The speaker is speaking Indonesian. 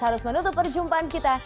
harus menutup perjumpaan kita